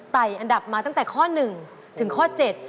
ไต่อันดับมาตั้งแต่ข้อหนึ่งถึงข้อเจ็ด